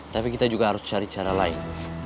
tapi kita juga harus cari cara lain